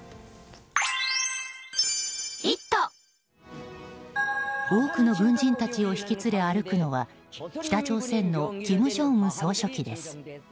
多くの軍人たちを引き連れて歩くのは北朝鮮の金正恩総書記です。